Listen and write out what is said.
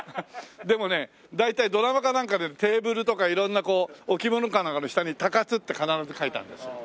でもね大体ドラマかなんかでテーブルとか色んな置き物かなんかの下に「高津」って必ず書いてあるんですよ。